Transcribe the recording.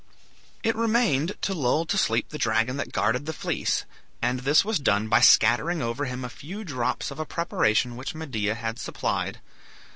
It remained to lull to sleep the dragon that guarded the fleece, and this was done by scattering over him a few drops of a preparation which Medea had supplied.